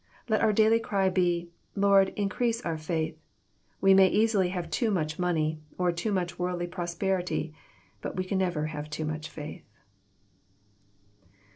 Let oar daily cry be, " Lord, increase our faith." We may easily have too much money, or too much worldly prosperity ; but we can never have too much faith.